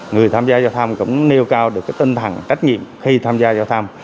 người tham gia giao thông cũng nêu cao được tinh thần trách nhiệm khi tham gia giao thông